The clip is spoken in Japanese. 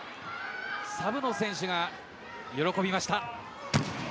サブの選手が喜びました。